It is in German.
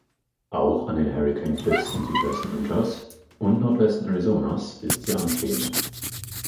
Auch an den Hurricane Cliffs im Südwesten Utahs und Nordwesten Arizonas ist sie anstehend.